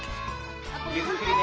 ゆっくりね。